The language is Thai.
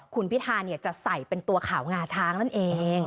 คุณพิธาจะใส่เป็นตัวขาวงาช้างนั่นเอง